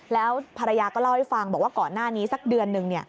แล้วภรรยาก็เล่าให้ฟังบอกว่าก่อนหน้านี้สักเดือนหนึ่ง